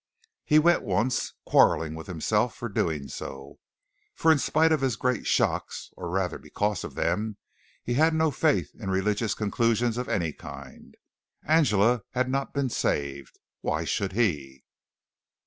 He went once, quarreling with himself for doing so, for in spite of his great shocks, or rather because of them, he had no faith in religious conclusions of any kind. Angela had not been saved. Why should he?